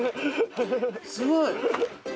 すごい！